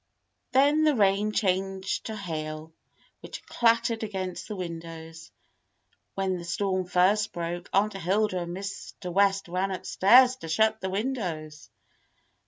Then the rain changed to hail, which clattered against the windows. When the storm first broke. Aunt Hilda and Mr. West ran upstairs to shut the windows.